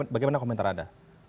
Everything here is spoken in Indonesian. bagaimana komentar anda